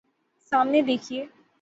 سامنے دیکھئے